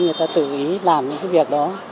người ta tự ý làm những cái việc đó